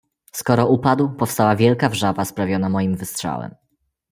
"Skoro upadł, powstała wielka wrzawa sprawiona moim wystrzałem."